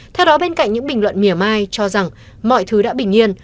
theo đó bên cạnh những bình luận miểu mai cho rằng mọi thứ đã bình yên